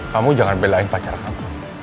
kamu jangan belain pacar kamu